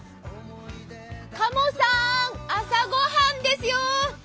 かもさん朝御飯ですよ。